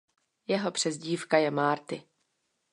Jeho přezdívka je Marty.